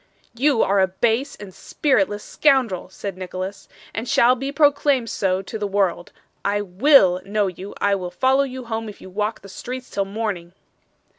'You are a base and spiritless scoundrel!' said Nicholas, 'and shall be proclaimed so to the world. I WILL know you; I will follow you home if you walk the streets till morning.